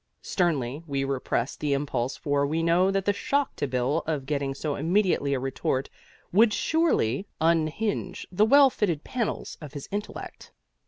Sternly we repress the impulse for we know that the shock to Bill of getting so immediate a retort would surely unhinge the well fitted panels of his intellect.